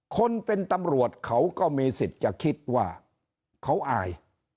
คนเป็นตำรวจเขาก็มีสิทธิ์จะคิดว่าเขาอาย